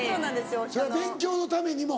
それは勉強のためにも？